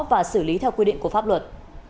và xử lý theo quy định của pháp luật